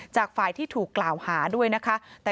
จากฝ่ายที่ถูกกล่าวหาด้วยนะคะ